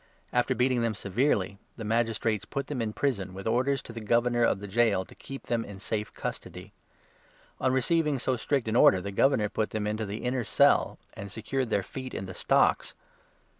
After beating them severely, the 23 Magistrates put them in prison, with orders to the Governor of the Gaol to keep them in safe custody. On receiving so 24 strict an order, the Governor put them into the inner cell, and secured their feet in the stocks.